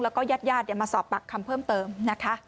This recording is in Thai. แล้วก็ยาดมาสอบบักคำเพิ่มเติมนะคะ